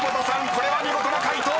これは見事な解答！